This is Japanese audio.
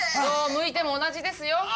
どうむいても同じですよ！